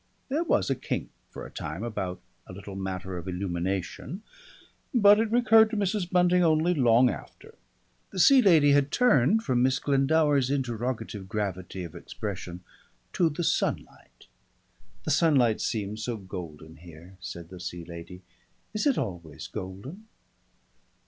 There was a kink for a time about a little matter of illumination, but it recurred to Mrs. Bunting only long after. The Sea Lady had turned from Miss Glendower's interrogative gravity of expression to the sunlight. "The sunlight seems so golden here," said the Sea Lady. "Is it always golden?"